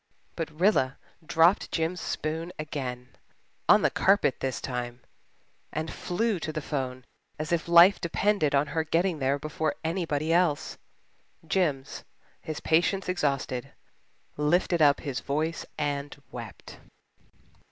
But Rilla dropped Jims' spoon again on the carpet this time and flew to the 'phone as if life depended on her getting there before anybody else. Jims, his patience exhausted, lifted up his voice and wept.